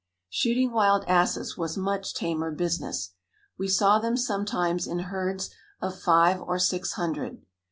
Shooting wild asses was much tamer business. We saw them sometimes in herds of five or six hundred.